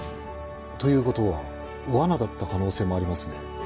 という事は罠だった可能性もありますね。